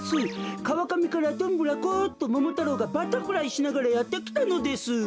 「かわかみからどんぶらこっとももたろうがバタフライしながらやってきたのです」。